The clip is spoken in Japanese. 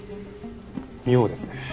妙ですね。